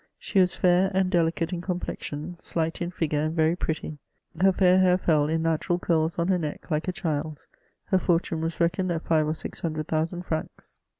I^ie was &ir and deLicate in complezicm, slight in figure, and very pretty ; her fair hair fell in natiml curls on her ne^, like a child's. Her for tune was reckoned at five or six hundred thousand francs.